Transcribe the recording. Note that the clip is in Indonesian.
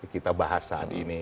kita bahas saat ini